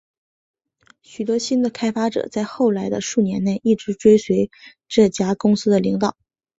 许多新的开发者在后来的数年内一直追随这家公司的领导。